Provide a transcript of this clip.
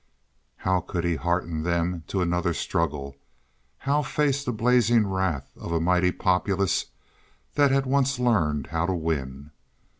How could he hearten them to another struggle—how face the blazing wrath of a mighty populace that had once learned how to win?